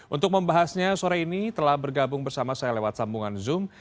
untuk membahasnya sore ini telah bergabung bersama saya lewat sambungan zoom